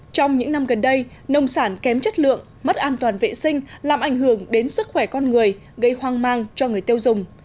trong những năm gần đây nông sản kém chất lượng mất an toàn vệ sinh làm ảnh hưởng đến sức khỏe con người gây hoang mang cho người tiêu dùng